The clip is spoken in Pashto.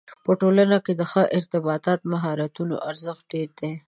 په ټولنه کې د ښه ارتباط مهارتونو ارزښت ډېر دی.